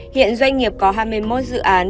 hiện doanh nghiệp có hai mươi một dự án